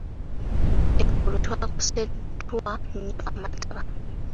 Eggulo twakoseddwa nnyo amataba.